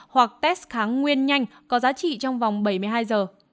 hoặc test kháng nguyên nhanh có giá trị trong vòng bảy mươi hai giờ